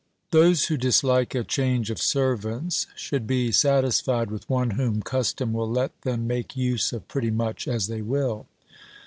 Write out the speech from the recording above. Those who dislike a change of servants should be satis fied with one whom custom will let them make use of pretty much as they will.